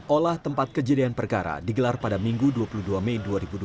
olah tempat kejadian perkara digelar pada minggu dua puluh dua mei dua ribu dua puluh